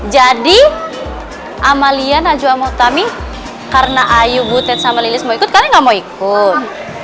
jadi amalian aju amal tami karena ayu butet sama lelis mau ikut kalian nggak mau ikut